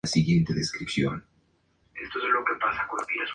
Algunos autores no reconocen al de las Sabanas y lo unen al Chaqueño Oriental.